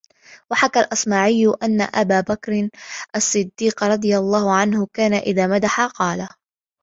وَحَكَى الْأَصْمَعِيُّ أَنَّ أَبَا بَكْرٍ الصِّدِّيقَ رَضِيَ اللَّهُ عَنْهُ كَانَ إذَا مَدَحَ قَالَ